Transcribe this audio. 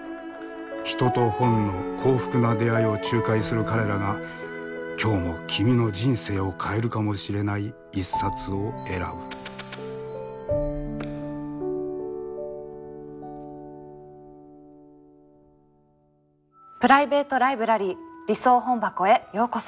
人と本の幸福な出会いを仲介する彼らが今日も君の人生を変えるかもしれない一冊を選ぶプライベート・ライブラリー理想本箱へようこそ。